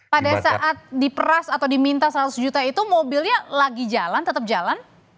pada saat diperas atau diminta seratus juta itu mobilnya lagi jalan tetap jalan